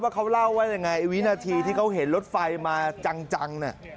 ว่าเขาเล่าไว้อย่างไรวินาทีที่เขาเห็นรถไฟมาจัง